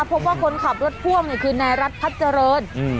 พบว่าคนขับรถพ่วงเนี่ยคือนายรัฐพัฒน์เจริญอืม